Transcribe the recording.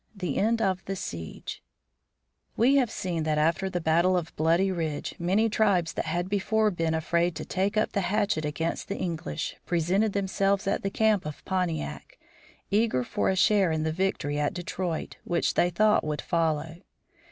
XI. THE END OF THE SIEGE We have seen that after the battle of Bloody Ridge many tribes that had before been afraid to take up the hatchet against the English, presented themselves at the camp of Pontiac, eager for a share in the victory at Detroit, which they thought would follow.